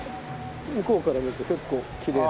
向こうから見ると結構きれいで。